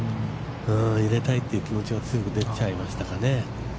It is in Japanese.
入れたいという気持ちが強く出ちゃいましたかね。